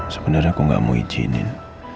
sebenernya aku nggak mau izinin